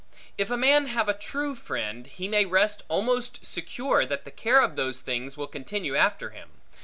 If a man have a true friend, he may rest almost secure that the care of those things will continue after him.